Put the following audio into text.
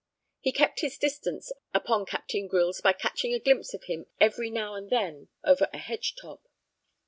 He kept his distance upon Captain Grylls by catching a glimpse of him every now and then over a hedge top.